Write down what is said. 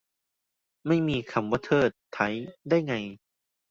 ไม่มีคำว่า เทิด ไท้ ได้ไง